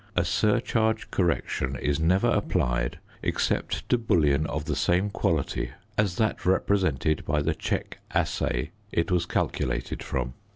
A surcharge correction is never applied except to bullion of the same quality as that represented by the "check assay" it was calculated from.